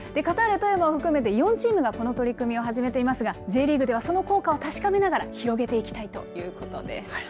富山を含めて４チームがこの取り組みを始めていますが、Ｊリーグではその効果を確かめながら、広げていきたいということです。